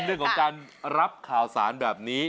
เรื่องของการรับข่าวสารแบบนี้